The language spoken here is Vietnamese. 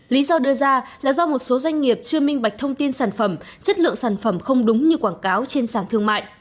lý do đưa ra là do một số doanh nghiệp chưa minh bạch thông tin sản phẩm chất lượng sản phẩm không đúng như quảng cáo trên sản thương mại